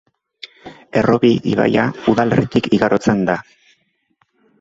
Errobi ibaia udalerritik igarotzen da.